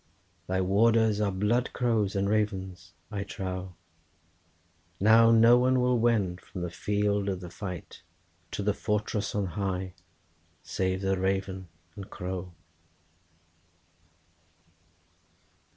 Thy warders are blood crows and ravens, I trow; Now no one will wend from the field of the fight To the fortress on high, save the raven and crow."